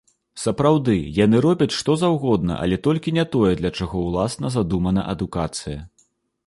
Сапраўды, яны робяць што заўгодна, але толькі не тое, для чаго ўласна задумана адукацыя.